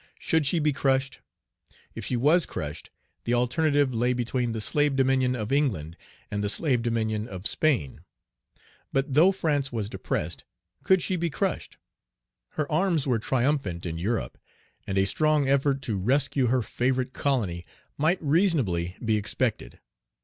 Should she be crushed? If she was crushed, the alternative lay between the slave dominion of England, and the slave dominion of Spain. But though France was depressed, could she be crushed? Her arms were triumphant in Europe, and a strong effort to rescue her favorite colony might reasonably be expected.